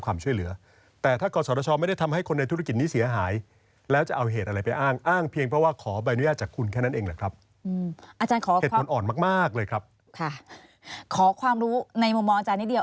ขอความรู้ในมุมมองอาจารย์นิดเดียว